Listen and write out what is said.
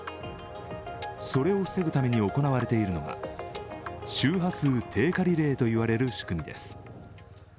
それを防ぐために行われているのが周波数低下リレーといわれる仕組みです。